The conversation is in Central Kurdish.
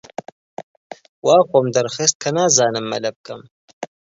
وا خۆم دەرخست کە نازانم مەلە بکەم.